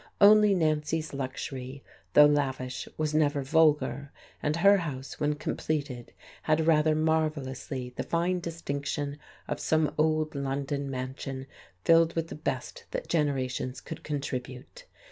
Only Nancy's luxury, though lavish, was never vulgar, and her house when completed had rather marvellously the fine distinction of some old London mansion filled with the best that generations could contribute.